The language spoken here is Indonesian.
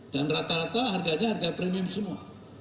dan rata rata harganya harga premium semua